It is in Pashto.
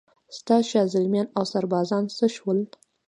ستا شازلمیان اوسربازان څه شول؟